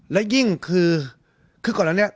และยิ่งคือก่อนแล้วเนี่ย